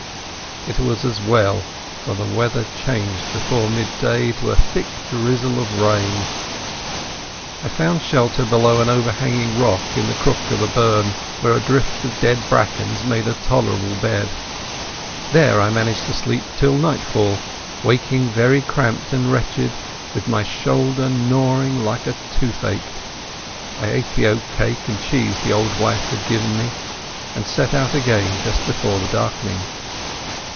It was as well, for the weather changed before midday to a thick drizzle of rain. I found shelter below an overhanging rock in the crook of a burn, where a drift of dead brackens made a tolerable bed. There I managed to sleep till nightfall, waking very cramped and wretched, with my shoulder gnawing like a toothache. I ate the oatcake and cheese the old wife had given me and set out again just before the darkening.